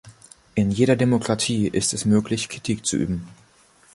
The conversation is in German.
In jeder Demokratie ist es möglich, Kritik zu üben.